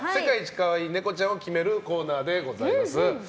かわいいネコちゃんを決めるコーナーでございます。